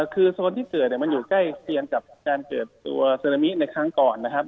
คือโซนที่เตือนมันอยู่ใกล้เคียงกับการเตือนตัวเซรามิในครั้งก่อนนะครับ